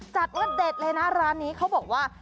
จัดว่าเด็ดเลยนะร้านนี้เขาบอกว่า